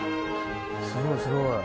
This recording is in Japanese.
すごいすごい。